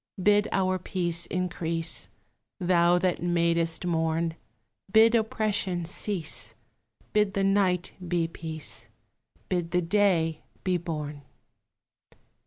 Bid our peace increase, Thou that madest morn; Bid oppression cease; Bid the night be peace; Bid the day be born.